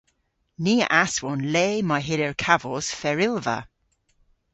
Ni a aswon le may hyllir kavos ferylva.